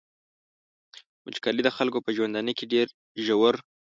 وچکالي د خلکو په ژوندانه کي ډیر ژور.